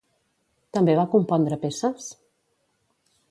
També va compondre peces?